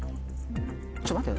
ちょっと待ってよ